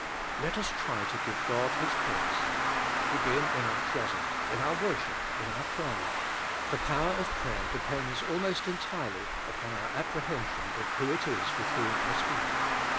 Let us try to give God His place — be gin in our closet, in our worship, in our prayer. The power of prayer depends almost entirely upon our apprehension of who it is with whom I speak.